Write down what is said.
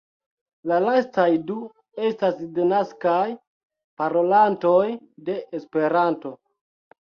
La lastaj du estas denaskaj parolantoj de Esperanto.